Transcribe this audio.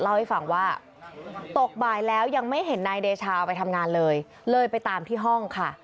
เล่าให้ฟังว่าตกบ่ายแล้วยังไม่เห็นนายเดชาเอาไปทำงานเลยเลยไปตามที่ห้องค่ะ